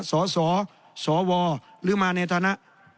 สสวหรือมาในฐานะ